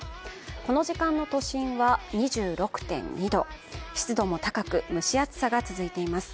この時間の都心は２６．２度、湿度も高く、蒸し暑さが続いています。